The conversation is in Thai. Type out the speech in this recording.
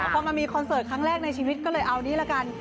พอมามีคอนเสิร์ตครั้งแรกในชีวิตก็เลยเอานี้ละกัน